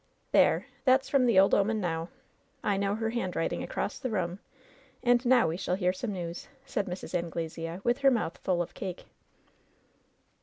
"There! That's from the ole 'oman now. I know her handwriting across the room. And now we shall hear some news," said Mrs. Anglesea, with her mouth full of cake.